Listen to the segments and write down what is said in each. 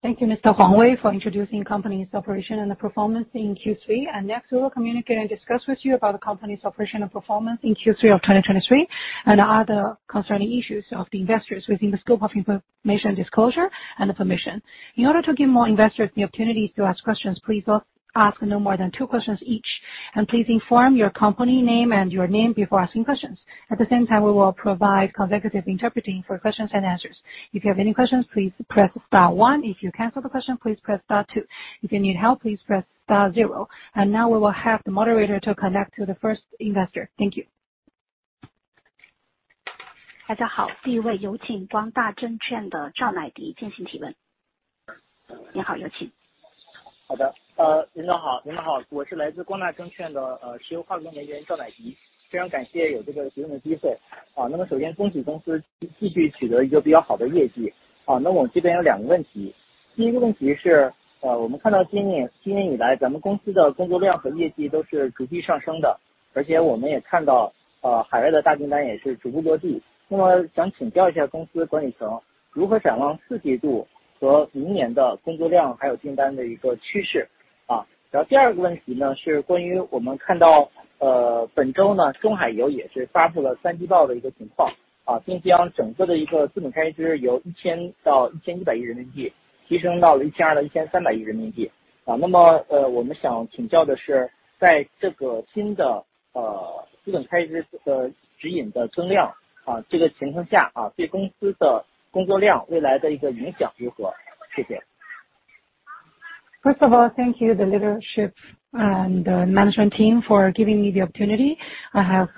Thank you, Mr. Huang Wei, for introducing company's operation and performance in Q3. Next we will communicate and discuss with you about the company's operation and performance in Q3 of 2023, and other concerning issues of the investors within the scope of information disclosure and the permission. In order to give more investors the opportunity to ask questions, please ask no more than two questions each, and please inform your company name and your name before asking questions. At the same time, we will provide consecutive interpreting for questions and answers. If you have any questions, please press star one. If you cancel the question, please press star two. If you need help, please press star zero. Now we will have the moderator to connect to the first investor. Thank you. 大家好，第一位有请光大证券的赵乃迪进行提问。你好，有请。First of all, thank you the leadership and management team for giving me the opportunity. I have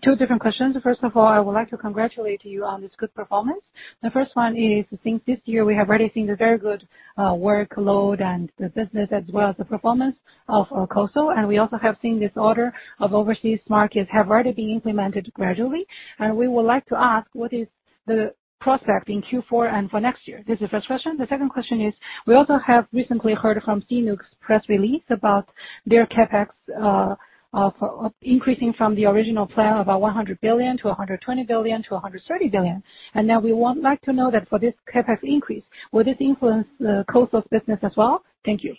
two different questions. First of all, I would like to congratulate you on this good performance. The first one is I think this year we have already seen the very good workload and the business as well as the performance of COSL, and we also have seen this order of overseas markets have already been implemented gradually, and we would like to ask, what is the prospect in Q4 and for next year? This is first question. The second question is, we also have recently heard from CNOOC's press release about their CapEx of increasing from the original plan about 100 billion to 120 billion to 130 billion. And now we would like to know that for this CapEx increase, will this influence the COSL business as well? Thank you.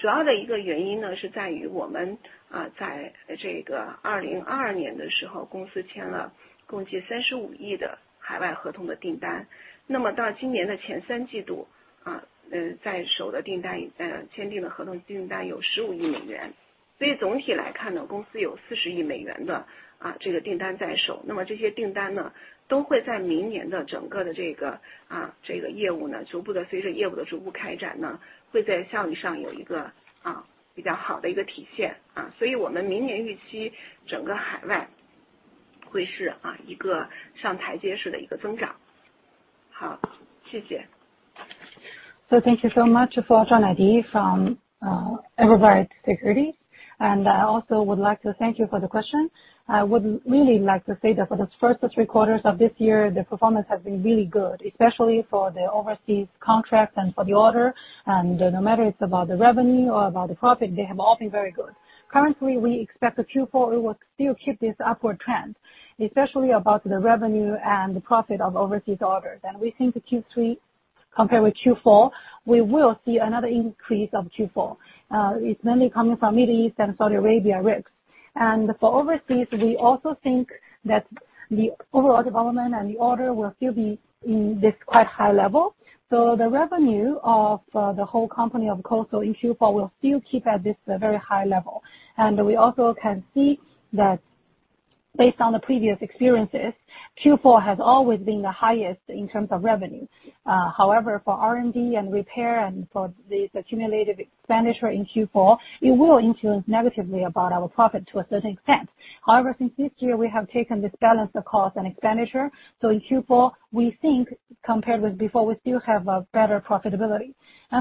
主要的一个原因呢，是在于我们在这个2022年的时候，公司签了共计CNY 35亿的海外合同的订单，那么到今年的前三季度，在手的订单，签订的合同订单有$15亿美元。Thank you so much to Zhao Naidi from Everbright Securities, and I also would like to thank you for the question. I would really like to say that for the first three quarters of this year, the performance has been really good, especially for the overseas contracts and for the order. No matter it's about the revenue or about the profit, they have all been very good. Currently, we expect Q4 will still keep this upward trend, especially about the revenue and the profit of overseas orders. We think Q3 compared with Q4, we will see another increase of Q4. It's mainly coming from Middle East and Saudi Arabia risks. For overseas, we also think that the overall development and the order will still be in this quite high level. The revenue of the whole company of COSL in Q4 will still keep at this very high level. We also can see that based on the previous experiences, Q4 has always been the highest in terms of revenue. However, for R&D and repair and for this accumulated expenditure in Q4, it will influence negatively about our profit to a certain extent. However, since this year, we have taken this balance of cost and expenditure, so in Q4, we think compared with before, we still have a better profitability.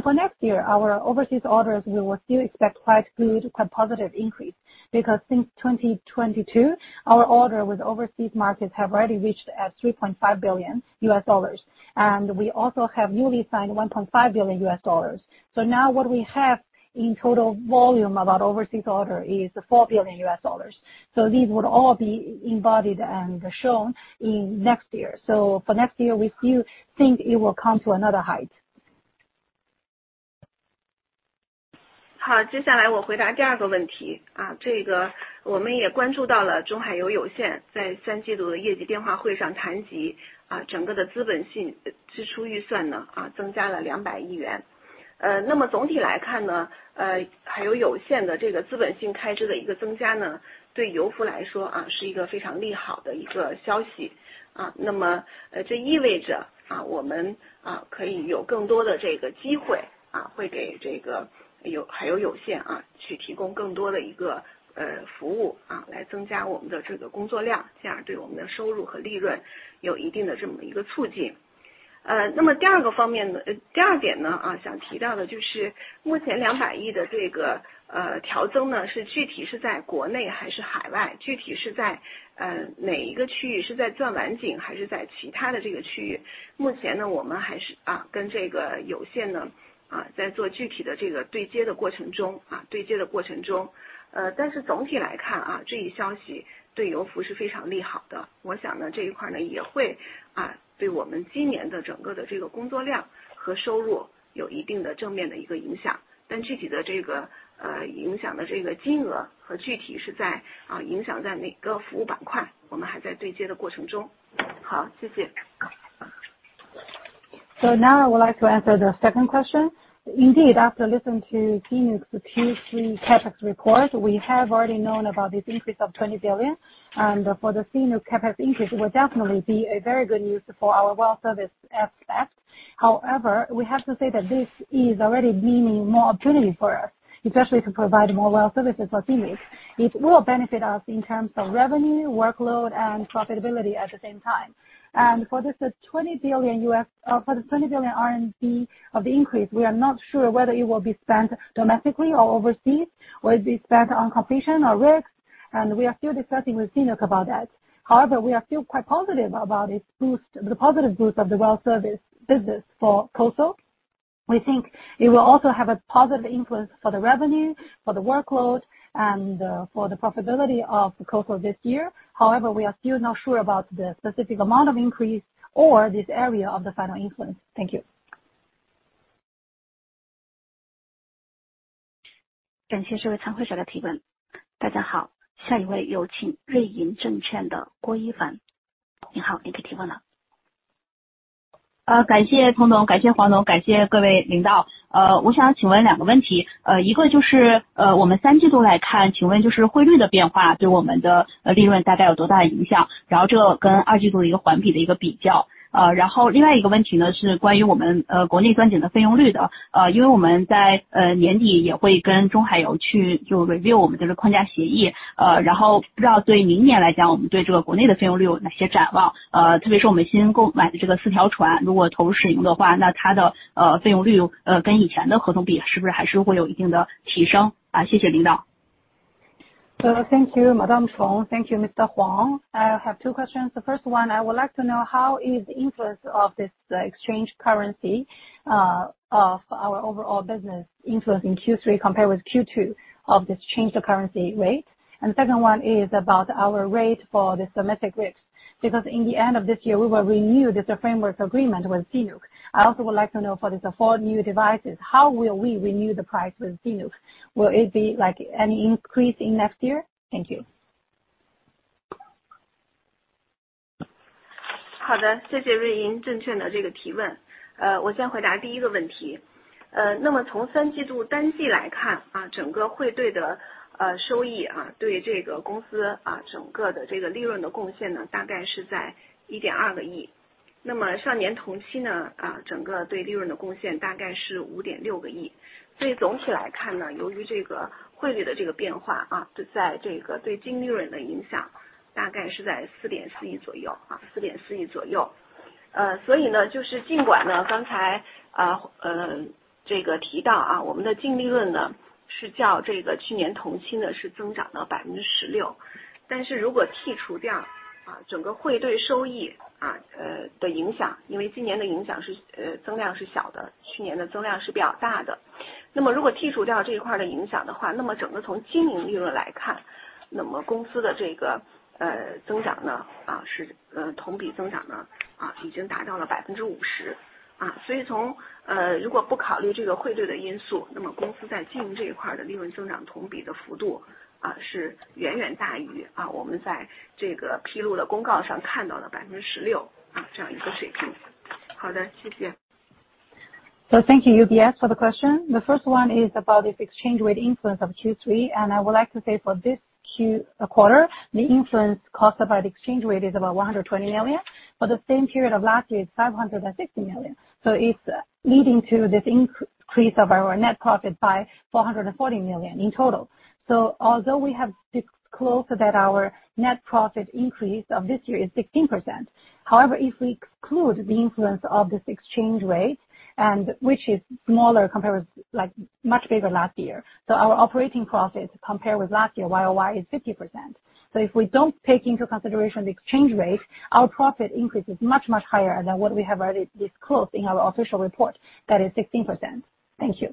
For next year, our overseas orders, we will still expect quite good, quite positive increase, because since 2022, our order with overseas markets have already reached at $3.5 billion, and we also have newly signed $1.5 billion. Now what we have in total volume about overseas order is $4 billion. These would all be embodied and shown in next year. For next year, we still think it will come to another height. I would like to answer the second question. Indeed, after listening to the Q3 CapEx report, we have already known about this increase of 20 billion, and for the senior CapEx increase, it will definitely be very good news for our well service aspect. However, we have to say that this is already bringing more opportunity for us, especially to provide more well services for CNOOC. It will benefit us in terms of revenue, workload, and profitability at the same time. For this 20 billion of the increase, we are not sure whether it will be spent domestically or overseas, or it be spent on completion or rigs, and we are still discussing with CNOOC about that. However, we are still quite positive about this boost, the positive boost of the well service business for COSL. We think it will also have a positive influence for the revenue, for the workload, and for the profitability of the COSL this year. However, we are still not sure about the specific amount of increase or this area of the final influence. Thank you. 感谢这位参会者的提问。大家好，下一位有请瑞银证券的郭一凡。你好，你可以提问了。Thank you, Madam Chong. Thank you, Mr. Huang. I have two questions. The first one, I would like to know how is the influence of this exchange currency of our overall business influence in Q3 compare with Q2 of this change the currency rate? And the second one is about our rate for this domestic rigs, because in the end of this year, we will renew this framework agreement with CNOOC. I also would like to know for this four new devices, how will we renew the price with CNOOC? Will it be like any increase in next year? Thank you. 好的，谢谢瑞银证券的这个提问。我先回答第一个问题。那么从三季度单季来看，整个汇兑的收益对这个公司整个的利润的贡献呢，大概是在CNY 1.2亿。那么上年同期呢，整个对利润的贡献大概是¥5.6亿。所以总体来看呢，由于这个汇率的这个变化啊，就在这个对净利润的影响大概是在CNY 4.4亿左右，¥4.4亿左右。那么如果剔除掉这一块的影响的话，那么整个从经营利润来看，那么公司的这个增长呢，是同比增长呢，已经达到了50%。所以从如果不考虑这个汇兑的因素，那么公司在经营这一块的利润增长同比的幅度，是远远大于我们在这个披露的公告上看到了16%这样一个水平。好的，谢谢。Thank you, UBS, for the question. The first one is about this exchange rate influence of Q3, and I would like to say for this quarter, the influence caused by the exchange rate is about $120 million. For the same period of last year, it's $560 million, so it's leading to this increase of our net profit by $440 million in total. Although we have disclosed that our net profit increase of this year is 16%, however, if we exclude the influence of this exchange rate, which is smaller compared with much bigger last year, our operating profit compared with last year year-over-year is 50%. If we don't take into consideration the exchange rate, our profit increase is much higher than what we have already disclosed in our official report, that is 16%. Thank you.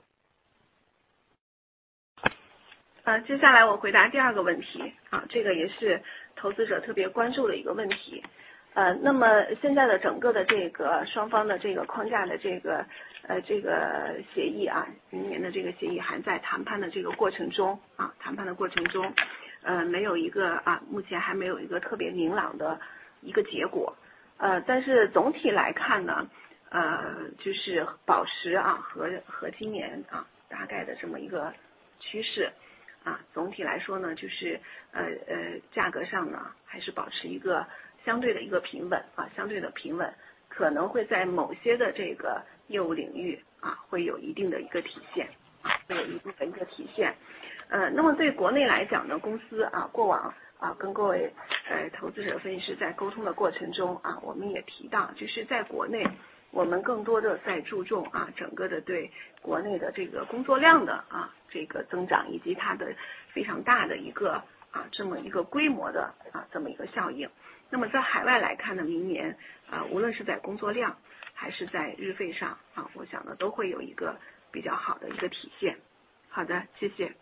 那么在海外来看呢，明年，无论是在工作量还是在日费上，我想呢，都会有一个比较好的一个体现。好的，谢谢。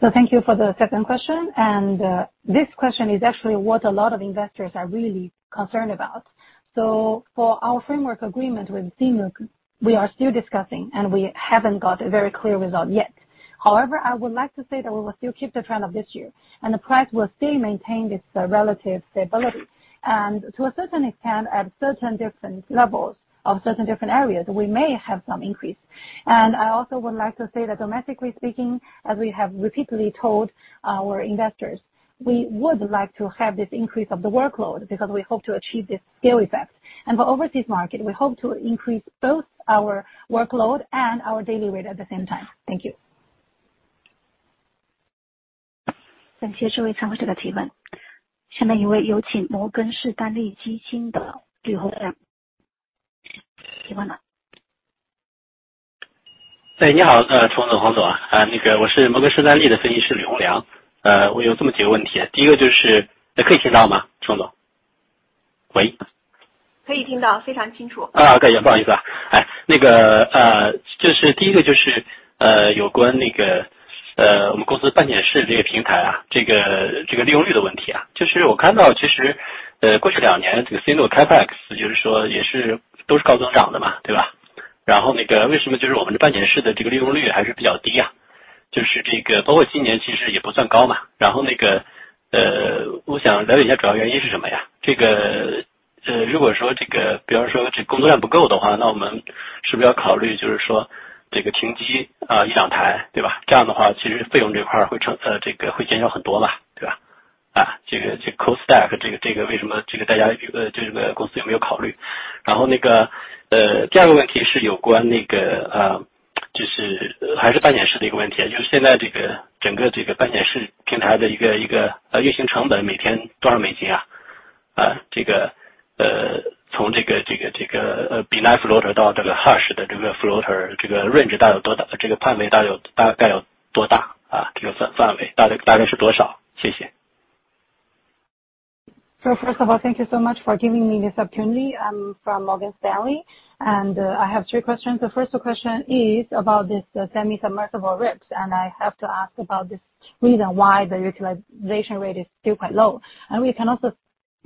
Thank you for the second question, and this question is actually what a lot of investors are really concerned about. For our framework agreement with CNOOC, we are still discussing and we haven't got a very clear result yet. However, I would like to say that we will still keep the trend of this year, and the price will still maintain this relative stability, and to a certain extent, at certain different levels of certain different areas, we may have some increase. And I also would like to say that domestically speaking, as we have repeatedly told our investors, we would like to have this increase of the workload, because we hope to achieve this scale effect. And for overseas market, we hope to increase both our workload and our daily rate at the same time. Thank you. 第二个问题是有关半潜式的一个问题，就是现在这个整个半潜式平台的一个运行成本，每天多少美金？这个从Floater到这个harsh的这个Floater，这个range大有多大，这个范围大概有多大？这个范围大概是多少？谢谢。First of all, thank you so much for giving me this opportunity. I'm from Morgan Stanley and I have three questions. The first question is about the semi-submersible rigs, and I have to ask about the reason why the utilization rate is still quite low. We can also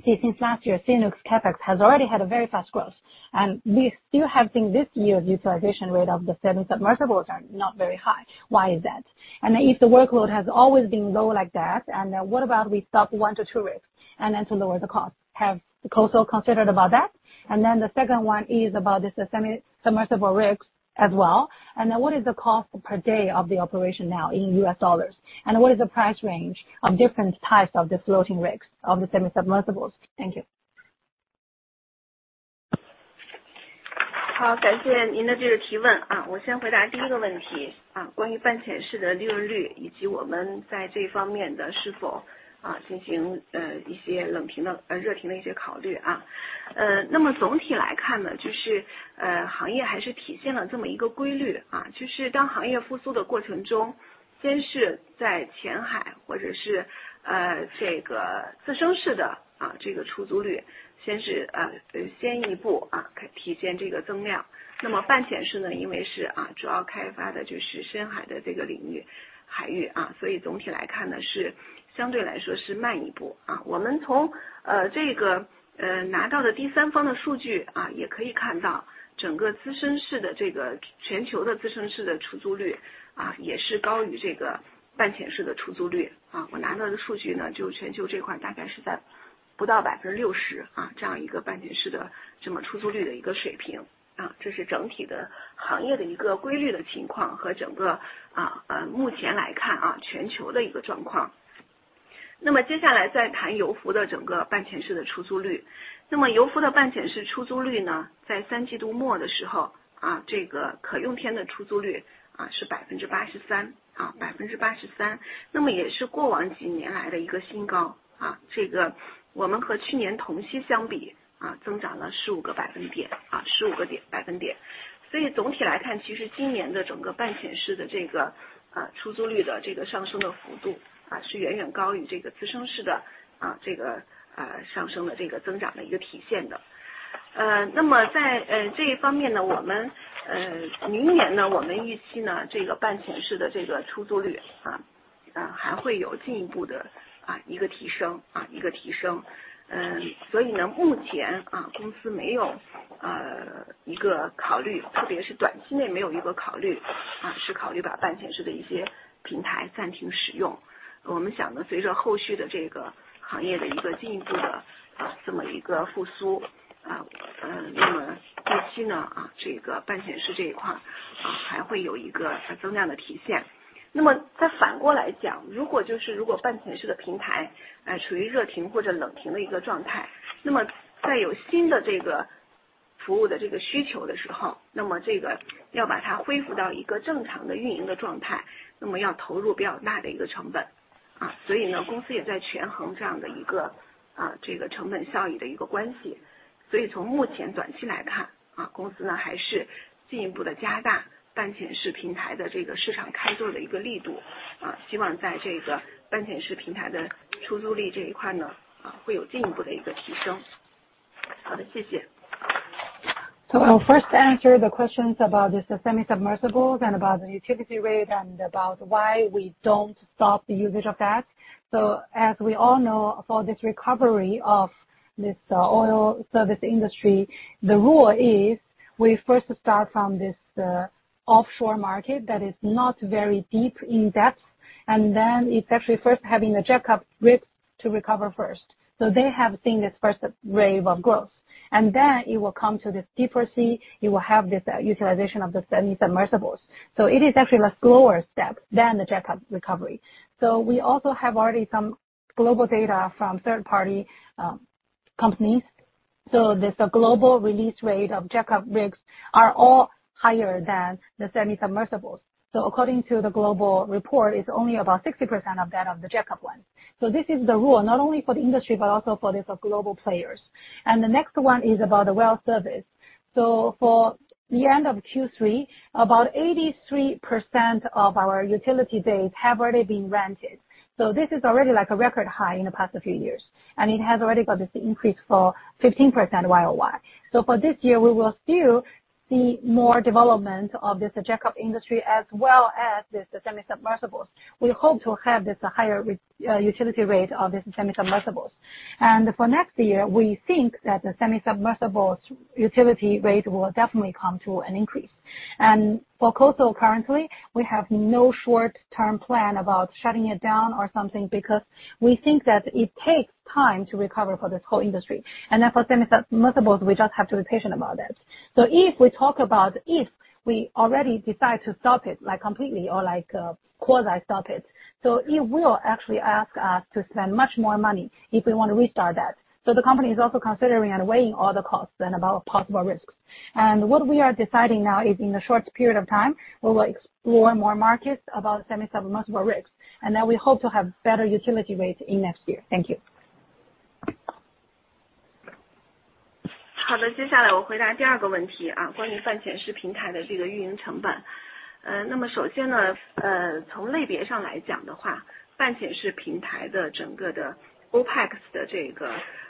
see since last year, CNOOC CapEx has already had very fast growth, and we still have seen this year's utilization rate of the semi-submersibles are not very high. Why is that? If the workload has always been low like that, what about we stop one to two rigs and then lower the cost? Has the company considered that? The second one is about the semi-submersible rigs as well. What is the cost per day of the operation now in U.S. dollars? What is the price range of different types of the floating rigs of the semi-submersibles? Thank you. 好，感谢您的这个提问。我先回答第一个问题，关于半潜式的利用率，以及我们在这一方面是否进行一些冷评的、热评的一些考虑。那么总体来看呢，行业还是体现了这么一个规律，就是当行业复苏的过程中，先是在浅海或者是自升式的出租率先一步体现这个增量。那么半潜式呢，因为主要开发的就是深海的这个领域、海域，所以总体来看呢，是相对来说慢一步。我们从拿到的第三方的数据也可以看到整个自升式的全球的自升式的出租率也是高于半潜式的出租率。我拿到的数据呢，就全球这块大概是在不到60%这样一个半潜式的出租率的水平。这是整体的行业的一个规律的情况和整个目前来看全球的一个状况。那么接下来再谈油服的整个半潜式的出租率，那么油服的半潜式出租率呢，在三季度末的时候，这个可用天的出租率，是83%，那么也是过往几年来的一个新高，这个我们和去年同期相比，增长了15个百分点。所以总体来看，其实今年的整个半潜式的出租率的上升幅度，是远远高于自升式的上升增长的一个体现的。那么在这一方面呢，我们明年呢，我们预期呢，这个半潜式的出租率还会有进一步的一个提升，一个提升。所以呢，目前公司没有一个考虑，特别是短期内没有一个考虑，是考虑把半潜式的一些平台暂停使用。我们想呢，随着后续的这个行业的一个进一步的复苏，那么预期呢，这个半潜式这一块，还会有一个增量的体现。那么再反过来讲，如果半潜式的平台处于热停或者冷停的一个状态，那么在有新的这个服务的这个需求的时候，那么这个要把它恢复到一个正常的运营的状态，那么要投入比较大的一个成本。所以呢，公司也在权衡这样的一个成本效益的一个关系。所以从目前短期来看，公司呢还是进一步的加大半潜式平台的这个市场开拓的一个力度，希望在这个半潜式平台的出租率这一块呢，会有进一步的一个提升。好的，谢谢。I will first answer the questions about the semi-submersibles and about the utility rate, and about why we don't stop the usage of that. As we all know, for this recovery of this oil service industry, the rule is we first start from this offshore market that is not very deep in depth, and then it's actually first having a jackup rig to recover first. They have seen this first wave of growth, and then it will come to this deeper sea, you will have this utilization of the semi-submersibles. It is actually a slower step than the jackup recovery. We also have already some global data from third party companies, so this global release rate of jackup rigs are all higher than the semi-submersibles. According to the global report, it's only about 60% of that of the jackup one. This is the rule not only for the industry, but also for the global players. The next one is about the well service. For the end of Q3, about 83% of our utility days have already been rented, so this is already like a record high in the past few years, and it has already got this increase for 15% YoY. For this year, we will still see more development of this jackup industry as well as this semi-submersibles. We hope to have this higher utility rate of this semi-submersibles. For next year, we think that the semi-submersibles utility rate will definitely come to an increase. For coastal, currently, we have no short term plan about shutting it down or something, because we think that it takes time to recover for this whole industry. For semi-submersibles, we just have to be patient about it. So if we talk about if we already decide to stop it, like completely or like quasi stop it, so it will actually ask us to spend much more money if we want to restart that. So the company is also considering and weighing all the costs and about possible risks. What we are deciding now is in the short period of time, we will explore more markets about semi-submersible rigs, and then we hope to have better utility rates in next year. Thank you. 好的，接下来我回答第二个问题，关于半潜式平台的这个运营成本。那么首先呢，从类别上来讲的话，半潜式平台的整个的OPEX是远远高于这个自升式平台的，远远高于自升式的平台。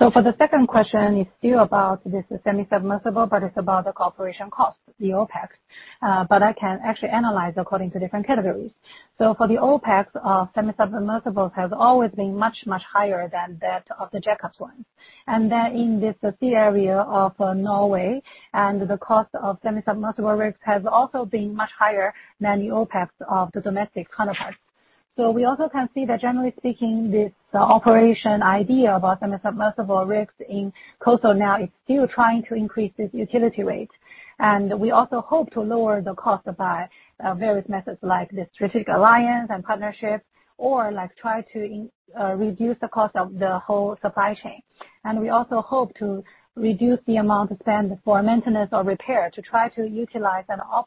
For the second question, it's still about this semi-submersible, but it's about the cooperation cost, the OPEX. But I can actually analyze according to different categories. For the OpEx of semi-submersibles has always been much, much higher than that of the jackups one. In this sea area of Norway, the cost of semi-submersible rigs has also been much higher than the OpEx of the domestic counterparts. We also can see that, generally speaking, this operation idea about the submersible rigs in coastal now is still trying to increase this utility rate. We also hope to lower the cost by various methods like this strategic alliance and partnership, or like try to reduce the cost of the whole supply chain. We also hope to reduce the amount spent for maintenance or repair, to try to utilize and optimize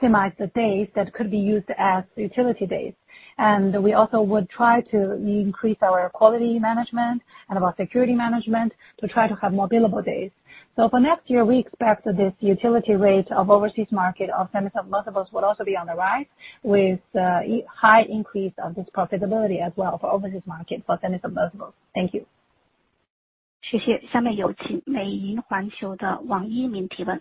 the days that could be used as utility days. We also would try to increase our quality management and our security management to try to have more billable days. For next year, we expect this utility rate of overseas market of submersible would also be on the rise, with high increase of this profitability as well for overseas market, for submersible. Thank you. 谢谢，下面有请美银环球的王一鸣提问。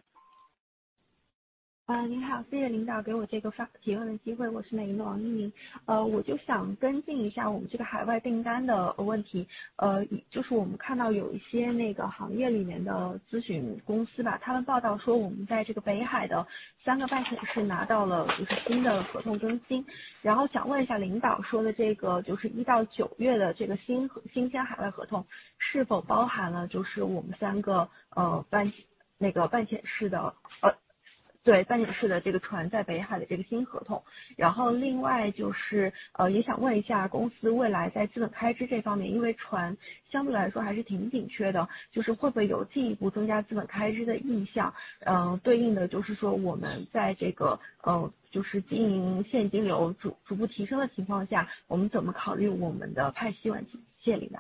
然后另外就是，也想问一下公司未来在资本开支这方面，因为船相对来说还是挺紧缺的，就是会不会有进一步增加资本开支的意向，对应的就是说我们在这个，就是经营现金流逐步提升的情况下，我们怎么考虑我们的派息问题，谢谢您呢？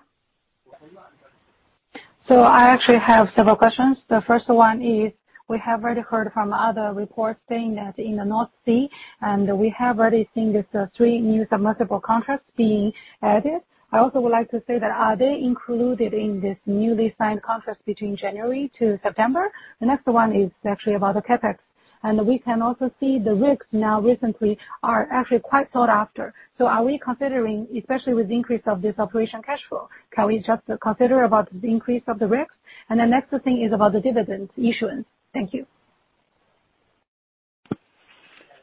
I actually have several questions. The first one is, we have already heard from other reports saying that in the North Sea, and we have already seen these three new submersible contracts being added. I also would like to say that, are they included in this newly signed contract between January to September? The next one is actually about the CapEx, and we can also see the rigs now recently are actually quite sought after. Are we considering, especially with the increase of this operation cash flow, can we just consider about the increase of the rigs? And the next thing is about the dividend issuance. Thank you.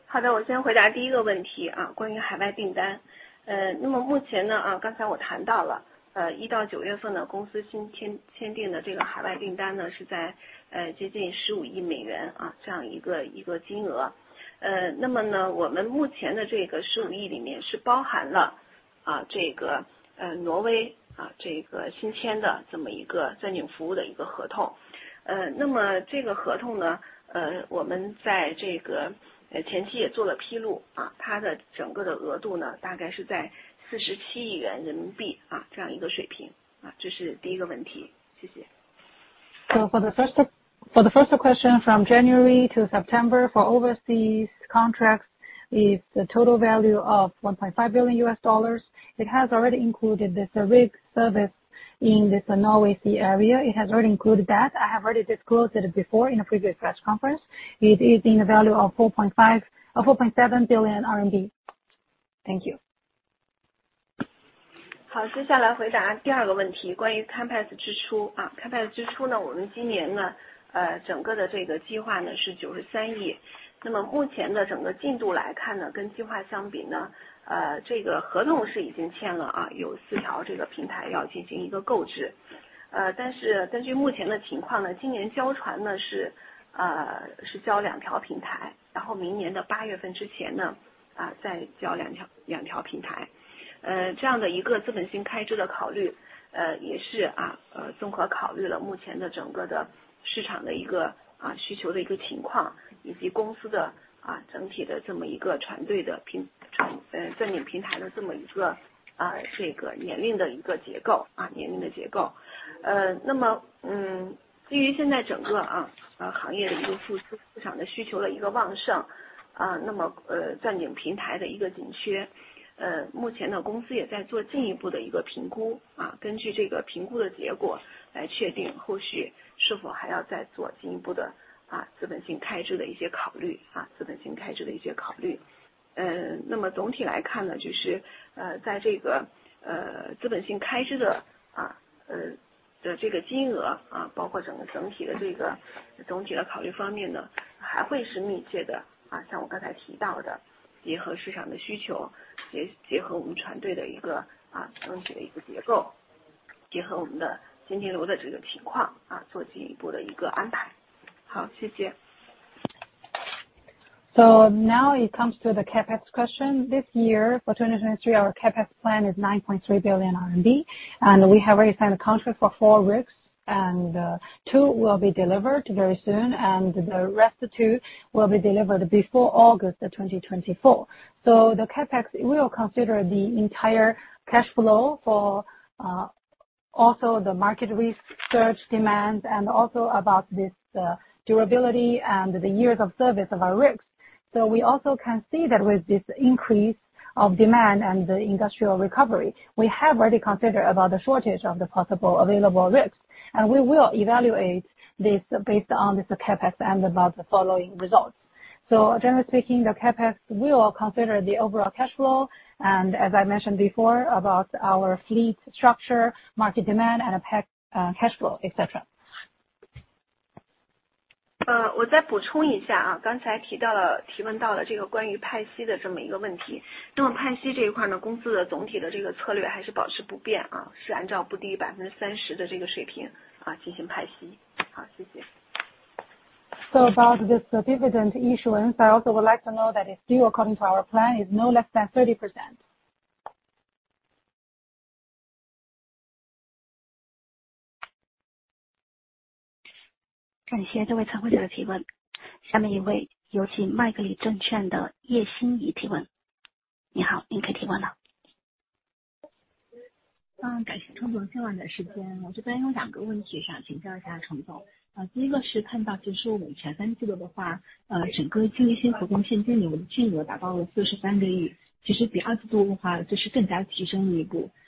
好的，我先回答第一个问题，关于海外订单。那么目前呢，刚才我谈到了，一到九月份的公司新签订的这个海外订单呢，是在接近$15亿这样一个金额。那么呢，我们目前的这个$15亿里面是包含了这个挪威新签的这么一个钻井服务的一个合同。那么这个合同呢，我们在这个前期也做了披露，它的整个的额度呢，大概是在CNY 47亿元人民币，这样一个水平，这是第一个问题，谢谢。For the first question, from January to September, for overseas contracts is the total value of $1.5 billion. It has already included this rig service in this Norway sea area. It has already included that I have already disclosed it before in a previous press conference. It is in a value of 4.7 billion RMB. Thank you. 好，接下来回答第二个问题，关于CapEx支出，CapEx支出呢，我们今年呢，整个的这个计划呢，是CNY 93亿。那么目前的整个进度来看呢，跟计划相比呢，这个合同是已经签了啊，有四条，这个平台要进行一个购置。但是根据目前的情况呢，今年交船呢，是交两条平台，然后明年的八月份之前呢，再交两条平台。Now it comes to the CapEx question. This year, for 2023, our CapEx plan is 9.3 billion RMB, and we have already signed a contract for four rigs and two will be delivered very soon, and the rest of two will be delivered before August of 2024. The CapEx will consider the entire cash flow, also the market research demands, and also the durability and the years of service of our rigs. We also can see that with this increase of demand and the industrial recovery, we have already considered the shortage of the possible available rigs, and we will evaluate this based on this CapEx and the following results. Generally speaking, the CapEx will consider the overall cash flow, and as I mentioned before, our fleet structure, market demand and CapEx, cash flow, etc. 我再补充一下，刚才提到了，提问到了这个关于派息的这么一个问题。那么派息这一块呢，公司的总体的这个策略还是保持不变，是按照不低于30%的这个水平进行派息。好，谢谢。About this dividend issuance, I also would like to know that it's still according to our plan, is no less than 30%.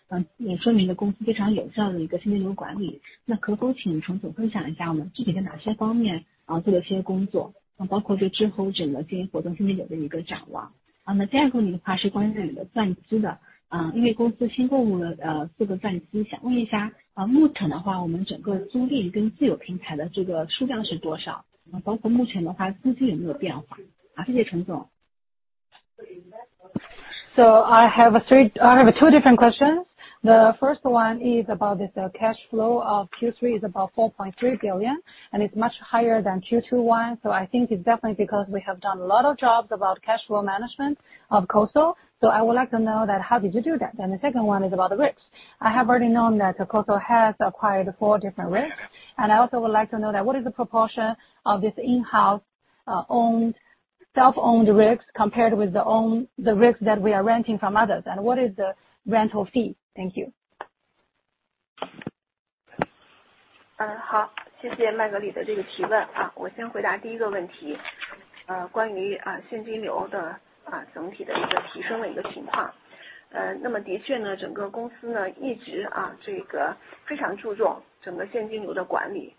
43亿，其实比二季度的话，这是更加提升了一步，也说明了公司非常有效的一个现金流管理。可否请陈总分享一下我们具体的哪些方面做了一些工作，包括这之后整个经营活动方面的一个展望。第二个的话是关于钻机的，因为公司新购入了四个钻机，想问一下目前的话我们整个租赁跟自有平台的这个数量是多少？包括目前的话，租金有没有变化？谢谢陈总。I have two different questions. The first one is about this cash flow of Q3 is about $4.3 billion, and it's much higher than Q2 one. I think it's definitely because we have done a lot of jobs about cash flow management of COSL. I would like to know that how did you do that? And the second one is about the rigs. I have already known that COSL has acquired four different rigs, and I also would like to know that what is the proportion of this in-house owned, self-owned rigs compared with the rigs that we are renting from others? And what is the rental fee? Thank you. 好，谢谢麦格理的这个提问。我先回答第一个问题，关于现金流的整体的一个提升的一个情况。那么的确呢，整个公司呢一直非常注重整个现金流的管理。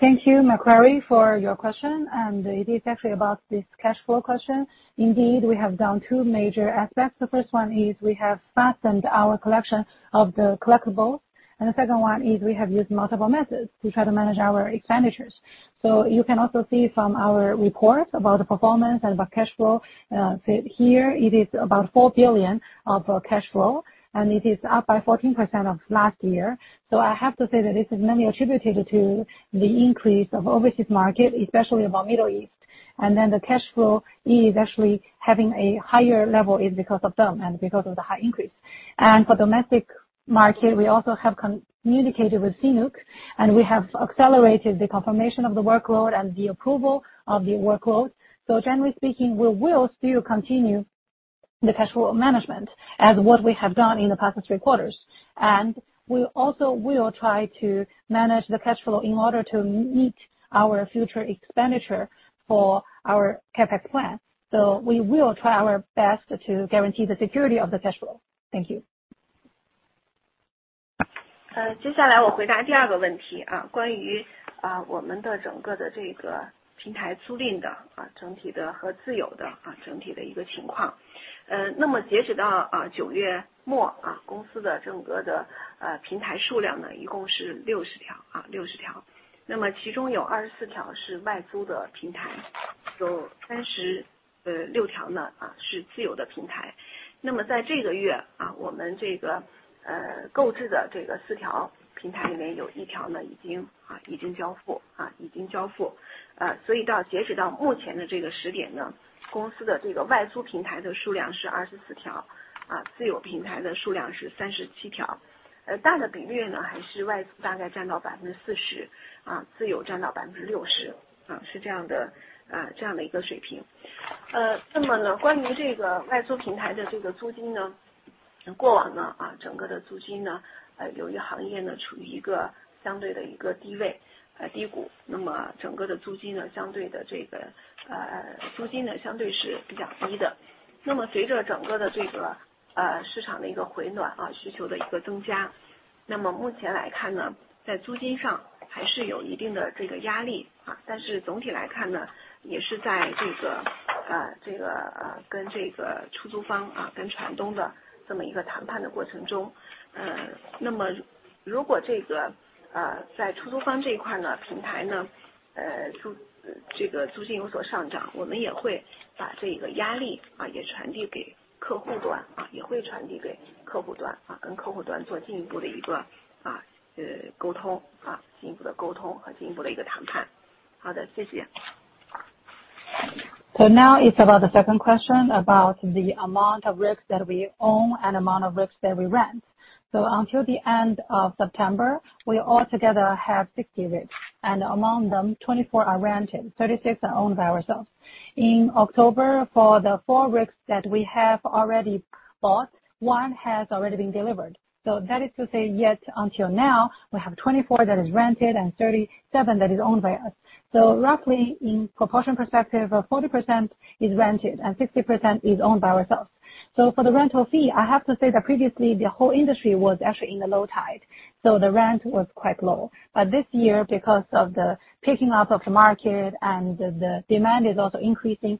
Thank you Macquarie for your question, and it is actually about this cash flow question. Indeed, we have done two major aspects. The first one is we have fastened our collection of the collectibles, and the second one is we have used multiple methods to try to manage our expenditures. You can also see from our reports about the performance and about cash flow. Here it is about 4 billion of cash flow, and it is up by 14% of last year. I have to say that this is mainly attributed to the increase of overseas market, especially about Middle East. The cash flow is actually having a higher level is because of them and because of the high increase. For domestic market, we also have communicated with CNOOC, and we have accelerated the confirmation of the workload and the approval of the workload. Generally speaking, we will still continue the cash flow management as what we have done in the past three quarters. We also will try to manage the cash flow in order to meet our future expenditure for our CapEx plan. We will try our best to guarantee the security of the cash flow. Thank you. 但是总体来看呢，也是在这个跟这个出租方，跟船东的这么一个谈判的过程中，那么如果这个在出租方这一块呢，平台呢，租金有所上涨，我们也会把这个压力传递给客户端，也会传递给客户端，跟客户端做进一步的一个沟通，进一步的沟通和进一步的一个谈判。好的，谢谢。Now it's about the second question about the amount of rigs that we own and amount of rigs that we rent. Until the end of September, we all together have 60 rigs, and among them 24 are rented, 36 are owned by ourselves. In October, for the four rigs that we have already bought, one has already been delivered. That is to say, yet until now we have 24 that is rented and 37 that is owned by us. Roughly in proportion perspective, 40% is rented and 60% is owned by ourselves. For the rental fee, I have to say that previously the whole industry was actually in the low tide, so the rent was quite low. But this year, because of the picking up of the market and the demand is also increasing,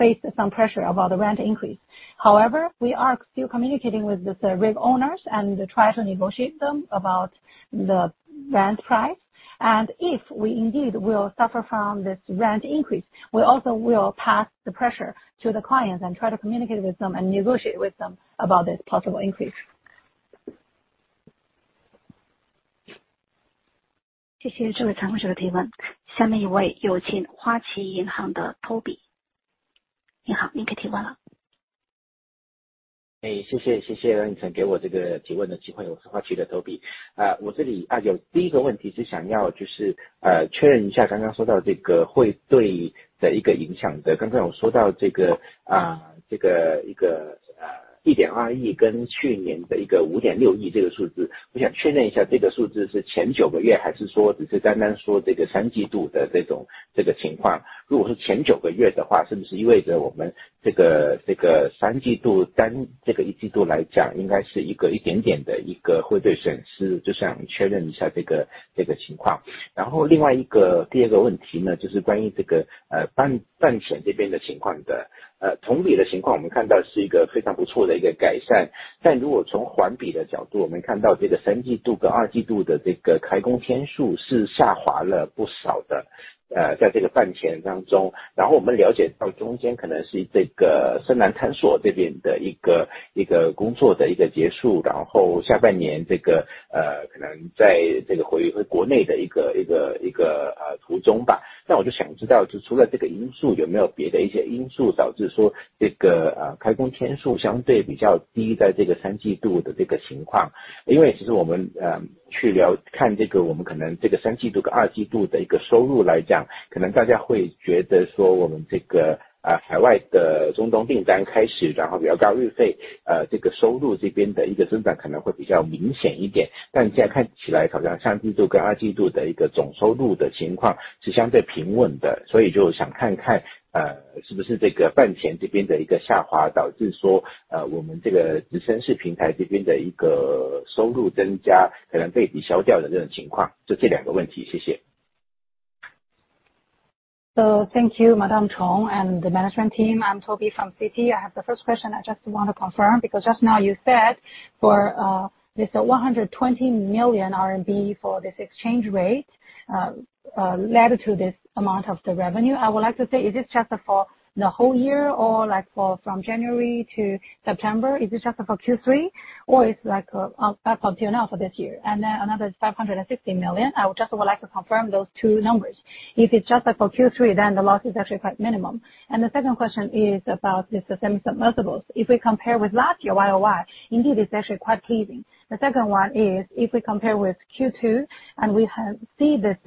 we indeed have faced some pressure about the rent increase. However, we are still communicating with the rig owners and try to negotiate them about the rent price, and if we indeed will suffer from this rent increase, we also will pass the pressure to the clients and try to communicate with them and negotiate with them about this possible increase. 谢谢这位采访者的提问。下面一位有请花旗银行的托比。你好，你可以提问了。谢谢，谢谢你给我这个提问的机会，我是花旗的托比。我这里有第一个问题是想要确认一下，刚刚说到这个汇兑的一个影响，刚刚有说到这个1.2亿跟去年的5.6亿这个数字，我想确认一下这个数字是前九个月，还是说只是单单说这个三季度的这种情况。如果是前九个月的话，是不是意味着我们这个三季度，单这个一季度来讲，应该是一个一点点的一个汇兑损失，就想确认一下这个情况。然后另外一个第二个问题呢，就是关于这个半潜这边的情况的同比的情况，我们看到是一个非常不错的一个改善。但如果从环比的角度，我们看到这个三季度跟二季度的这个开工天数是下滑了不少的，在这个半潜当中。然后我们了解到中间可能是这个深蓝探索这边的一个工作的一个结束，然后下半年这个可能在这个回国内的一个途中吧。那我就想知道，除了这个因素，有没有别的一些因素，导致说这个开工天数相对比较低，在这个三季度的情况。因为其实我们去聊看这个，我们可能这个三季度跟二季度的一个收入来讲，可能大家会觉得说我们这个海外的中东订单开始，然后比较高日费，这个收入这边的一个增长可能会比较明显一点，但现在看起来好像三季度跟二季度的一个总收入的情况是相对平稳的，所以就想看看，是不是这个半潜这边的一个下滑，导致说我们这个直升式平台这边的一个收入增加可能被抵消掉的这种情况，就这两个问题，谢谢。Thank you, Madame Chong and the management team, I'm Toby from Citi. I have the first question. I just want to confirm, because just now you said for this 120 million RMB for this exchange rate led to this amount of the revenue. I would like to say, is it just for the whole year or like for from January to September? Is it just for Q3 or is like up until now for this year? And then another 550 million. I just would like to confirm those two numbers. If it's just like for Q3, then the loss is actually quite minimum. And the second question is about the semi-submersibles. If we compare with last year, year-over-year indeed it's actually quite pleasing. The second one is, if we compare with Q2, and we have see this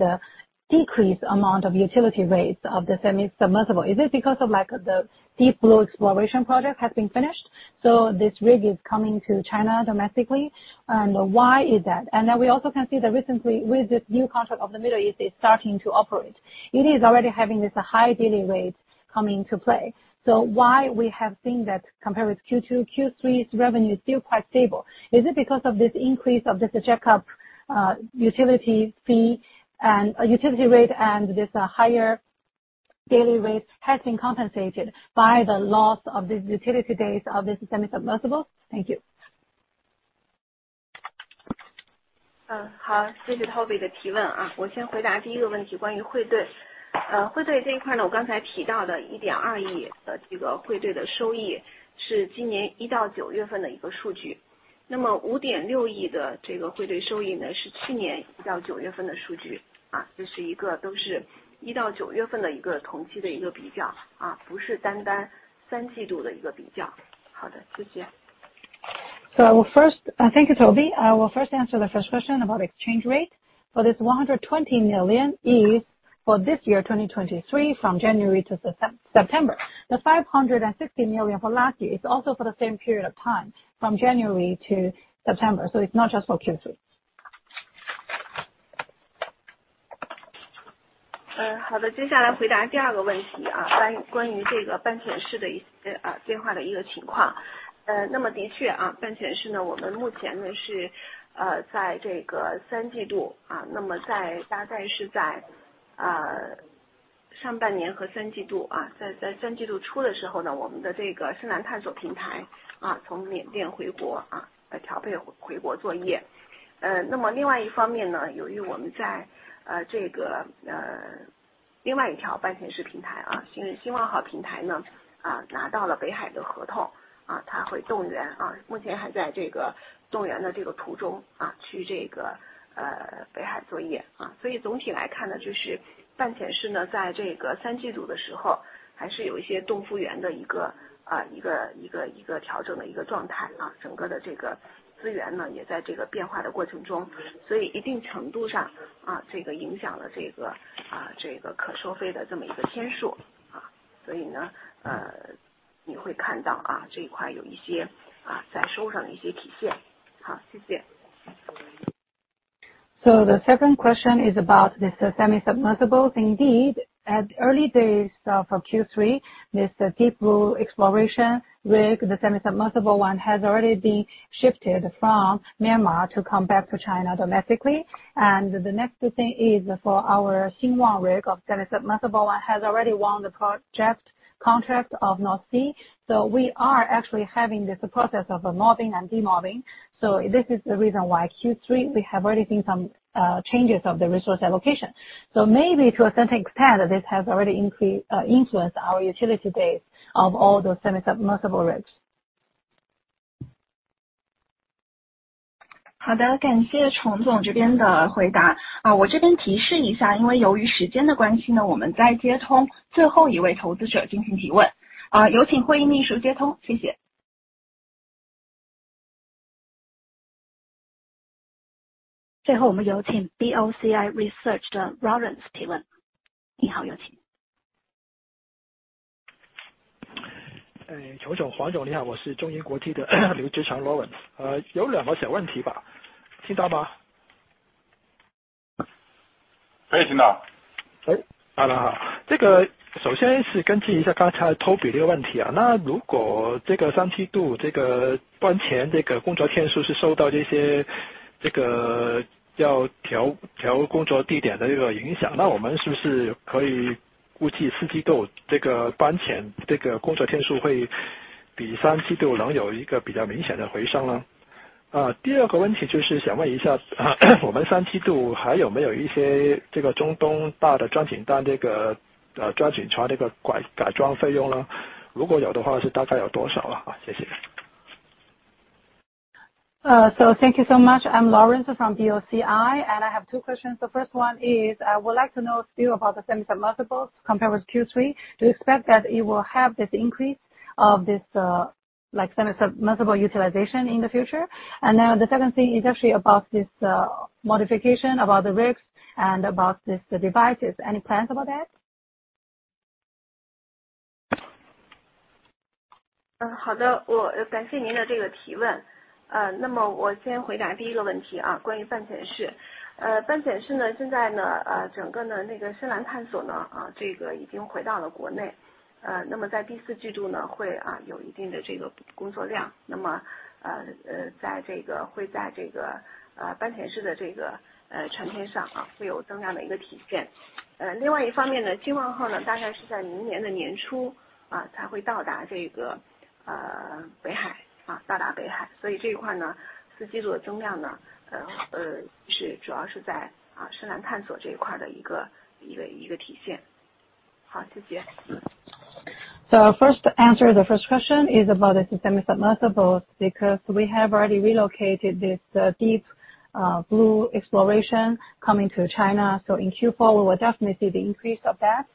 decrease amount of utility rates of the semi-submersible, is it because of like the Deep Blue Exploration project has been finished, so this rig is coming to China domestically? And why is that? And then we also can see that recently with this new contract of the Middle East, it's starting to operate. It is already having this high daily rate coming to play. So why we have seen that compared with Q2, Q3's revenue is still quite stable? Is it because of this increase of this checkup utility fee and utility rate, and this higher daily rate has been compensated by the loss of this utility rates of this semi-submersible? Thank you. 好，谢谢托比的提问。我先回答第一个问题，关于汇兑。汇兑这一块呢，我刚才提到的CNY 1.2亿的这个汇兑的收益，是今年1到9月份的一个数据，那么¥5.6亿的这个汇兑收益呢，是去年1到9月份的数据，这是一个都是1到9月份的一个同期的一个比较，不是单单三季度的一个比较。好的，谢谢。First, thank you, Toby. I will first answer the first question about exchange rate. For this $120 million is for this year, 2023, from January to September. The $560 million for last year is also for the same period of time from January to September. It's not just for Q3. 所以总体来看呢，就是半潜式呢，在这个三季度的时候还是有一些东复员的一个调整的一个状态啊，整个的这个资源呢，也在这个变化的过程中，所以一定程度上，这个影响了这个可收费的这么一个天数啊，所以呢，你会看到，这一块有一些，在收入上一些体现。好，谢谢。The second question is about these semi-submersibles. Indeed, at early days of Q3, the Deep Blue Explorer semi-submersible rig has already been shifted from Myanmar to come back to China domestically. And the next thing is our Xingwang semi-submersible rig has already won the project contract of North Sea, so we are actually having this process of mobbing and demobbing. This is the reason why Q3, we have already seen some changes of the resource allocation. Maybe to a certain extent, this has already increased, influenced our utility days of all those semi-submersible rigs. 好的，感谢崇总这边的回答。我这边提示一下，因为由于时间的关系呢，我们在接通最后一位投资者进行提问。有请会议秘书接通，谢谢。最后我们有请BOCI Thank you so much! I'm Lawrence from BOCI, and I have two questions. The first one is I would like to know still about the semi-submersibles compared with Q3, do you expect that it will have this increase of this semi-submersible utilization in the future? And then the second thing is actually about this modification, about the rigs and about this devices. Any plans about that? 另外一方面呢，新旺号呢，大概是在明年的年初，才会到达这个北海，到达北海。所以这一块呢，四季度的增量呢，是主要是在深蓝探索这一块的一个体现。好，谢谢。The first question is about the semi-submersibles, because we have already relocated this Deep Blue Exploration coming to China. In Q4, we will definitely see the increase of that.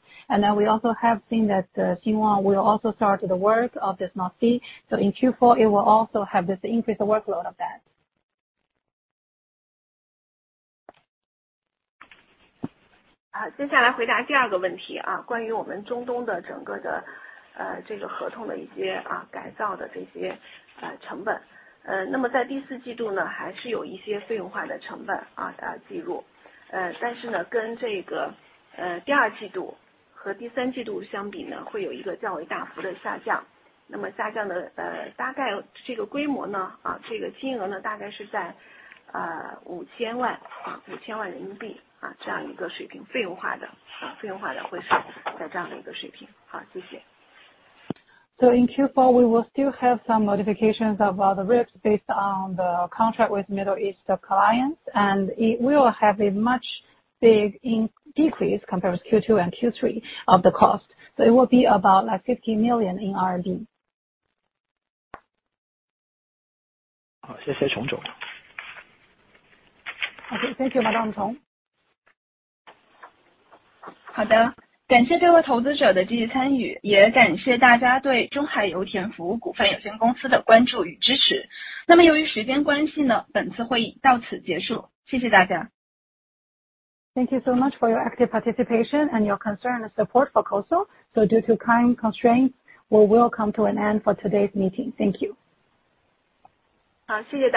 We also have seen that Xingwang will also start the work of this North Sea, so in Q4, it will also have this increased workload of that. 接下来回答第二个问题，关于我们中东的整个合同的一些改造的成本。In Q4, we will still have some modifications of all the rigs based on the contract with Middle East clients, and it will have a much bigger decrease compared with Q2 and Q3 of the cost. It will be about like 50 million RMB in RMB. 好，谢谢崇总。好的，Thank you, Madam Chong，好的，感谢各位投资者的积极参与，也感谢大家对中海油田服务股份有限公司的关注与支持。那么由于时间关系呢，本次会议到此结束，谢谢大家！ Thank you so much for your active participation and your concern and support for COSL. Due to time constraints, we will come to an end for today's meeting. Thank you. 好，谢谢。